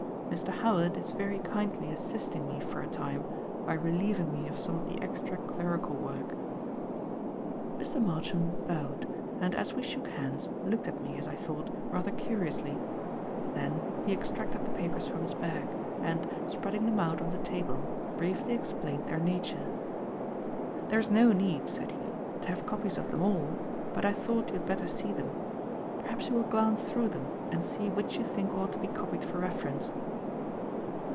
Mr. Howard is very kindly assisting me for a time by relieving me of some of the extra clerical work." Mr. Marchmont bowed, and, as we shook hands, looked at me, as I thought, rather curiously; then he extracted the papers from his bag, and, spreading them out on the table, briefly explained their nature. "There is no need," said he, "to have copies of them all, but I thought you had better see them. Perhaps you will glance through them and see which you think ought to be copied for reference."